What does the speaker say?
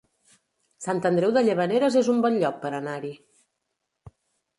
Sant Andreu de Llavaneres es un bon lloc per anar-hi